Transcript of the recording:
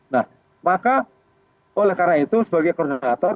nah maka oleh karena itu sebagai koordinator